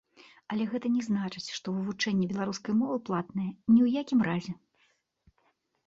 Але гэта не значыць, што вывучэнне беларускай мовы платнае, ні ў якім разе!